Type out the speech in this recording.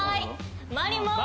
回ります！